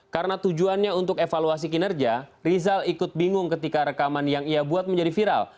karena tujuannya untuk evaluasi kinerja rizal ikut bingung ketika rekaman yang ia buat menjadi viral